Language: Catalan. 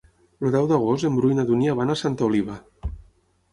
El deu d'agost en Bru i na Dúnia van a Santa Oliva.